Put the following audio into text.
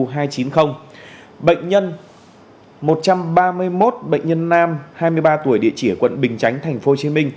bệnh nhân một trăm ba mươi một bệnh nhân nam hai mươi ba tuổi địa chỉ ở quận bình chánh tp hcm